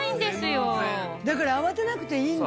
だから慌てなくていいんだ。